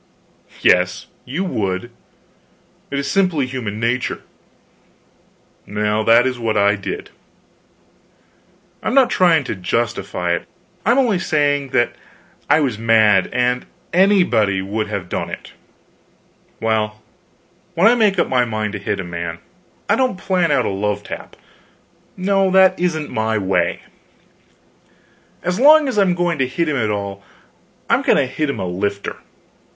Yes, you would; it is simply human nature. Well, that is what I did. I am not trying to justify it; I'm only saying that I was mad, and anybody would have done it. Well, when I make up my mind to hit a man, I don't plan out a love tap; no, that isn't my way; as long as I'm going to hit him at all, I'm going to hit him a lifter.